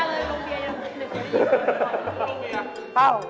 โรงเบียยังเหนือเย็นอย่างนี้